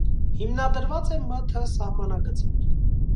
Հիմնադրուած է մ.թ. սահմանագծին։